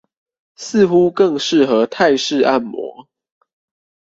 似乎更適合泰式按摩